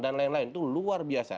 dan lain lain itu luar biasa